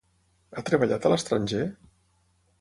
Ha treballat a l'estranger?